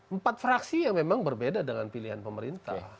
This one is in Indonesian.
empat fraksi yang memang berbeda dengan pilihan pemerintah